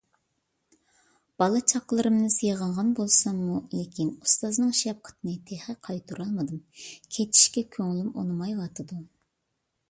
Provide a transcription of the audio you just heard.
بالا - چاقىلىرىمنى سېغىنغان بولساممۇ، لېكىن ئۇستازنىڭ شەپقىتىنى تېخى قايتۇرالمىدىم. كېتىشكە كۆڭلۈم ئۇنىمايۋاتىدۇ.